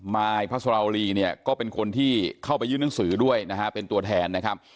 มายพระสราวรีเนี่ยก็เป็นคนที่เข้าไปยื่นหนังสือด้วยนะฮะเป็นตัวแทนนะครับ